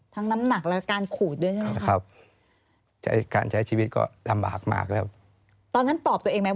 ทั้งน้ำหนักและการขูดด้วยใช่ไหมครับ